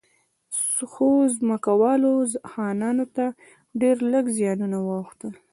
خو ځمکوالو خانانو ته ډېر لږ زیانونه واوښتل.